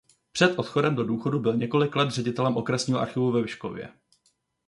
Před odchodem do důchodu byl několik let ředitelem okresního archivu ve Vyškově.